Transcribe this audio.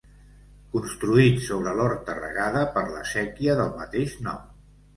Construït sobre l'horta regada per la séquia del mateix nom.